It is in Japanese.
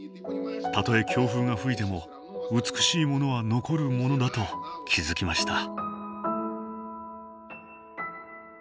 たとえ強風が吹いても美しいものは残るものだと気付きました。